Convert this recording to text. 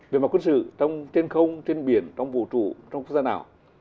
về mặt quân sự trên không trên biển trong vũ trụ trong quốc gia nào